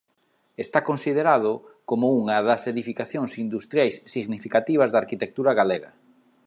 Está considerado como unha das edificacións industriais significativas da arquitectura galega.